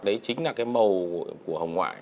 đấy chính là cái màu của hồng ngoại